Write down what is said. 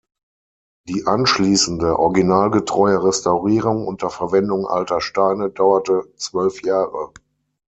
Die anschließende originalgetreue Restaurierung unter Verwendung alter Steine dauerte zwölf Jahre.